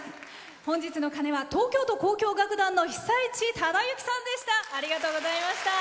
本日の鐘は東京都交響楽団の久一忠之さんでした。